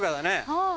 はい。